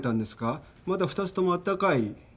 まだふたつともあったかい。